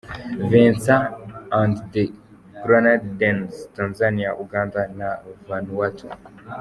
Vincent and the Grenadines, Tanzania, Uganda na Vanuatu.